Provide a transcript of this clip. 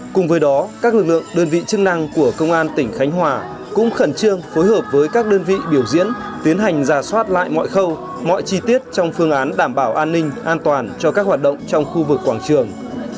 cùng với đó các lực lượng đơn vị chức năng của công an tỉnh khánh hòa cũng khẩn trương phối hợp với các đơn vị biểu diễn tiến hành giả soát lại mọi khâu mọi chi tiết trong phương án đảm bảo an ninh an toàn cho các hoạt động trong khu vực quảng trường